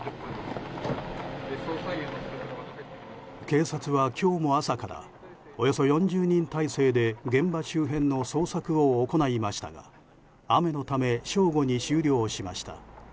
警察は今日も朝からおよそ４０人態勢で現場周辺の捜索を行いましたが雨のため正午に終了しました。